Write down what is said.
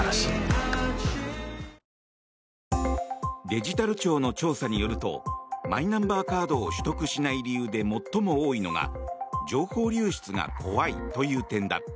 デジタル庁の調査によるとマイナンバーカードを取得しない理由で最も多いのが情報流出が怖いという点だ。